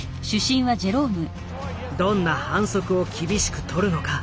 どんな反則を厳しく取るのか。